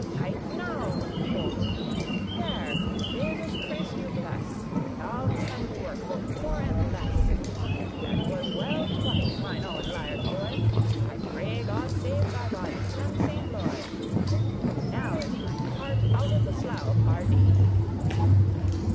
"Heit now," quoth he; "there, Jesus Christ you bless, And all his handiwork, both more and less! That was well twight,* mine owen liart, boy, *pulled grey<13> I pray God save thy body, and Saint Loy! Now is my cart out of the slough, pardie."